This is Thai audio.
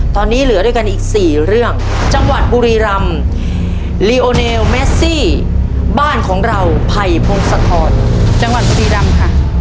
ตอนนี้เหลือด้วยกันอีกสี่เรื่องจังหวัดบุรีรำลีโอเนลเมซี่บ้านของเราไผ่พงศธรจังหวัดบุรีรำค่ะ